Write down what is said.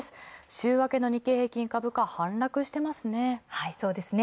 週明けの日経平均株価、反落していますね。